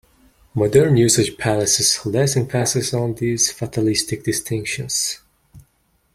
Modern usage places less emphasis on these fatalistic distinctions.